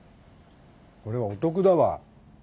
これはお得だわ。